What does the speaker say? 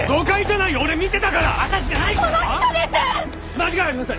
間違いありません。